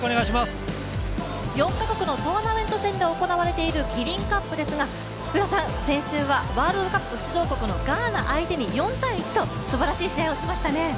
４カ国のトーナメント戦で行われているキリンカップですが福田さん、先週はワールドカップ出場国のガーナ相手に４−１とすばらしい試合をしましたね。